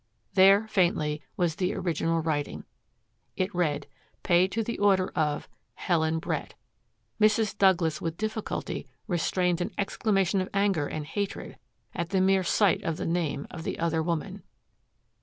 There, faintly, was the original writing. It read, "Pay to the order of Helen Brett " Mrs. Douglas with difficulty restrained an exclamation of anger and hatred at the mere sight of the name of the other woman.